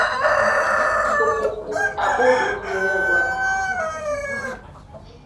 Tukukuabudu ni wewe baba